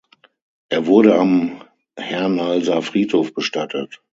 Er wurde am Hernalser Friedhof bestattet.